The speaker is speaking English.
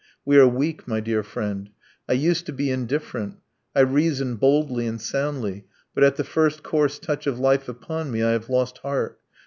We are weak, my dear friend .... I used to be indifferent. I reasoned boldly and soundly, but at the first coarse touch of life upon me I have lost heart.